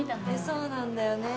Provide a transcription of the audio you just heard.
そうなんだよね